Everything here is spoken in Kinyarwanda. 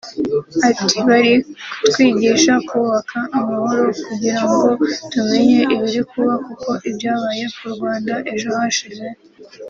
Ati “Bari kutwigisha kubaka amahoro kugira ngo tumenye ibiri kuba kuko ibyabaye ku Rwanda ejo hashize